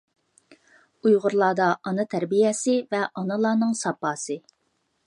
ئۇيغۇرلاردا ئانا تەربىيەسى ۋە ئانىلارنىڭ ساپاسى.